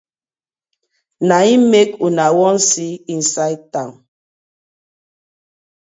Na im mek una wan see inside town.